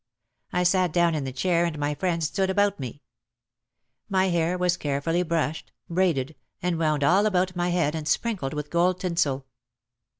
I sat down in the chair and my friends stood about me. My hair was care fully brushed, braided and wound all about my head and sprinkled with gold tinsel.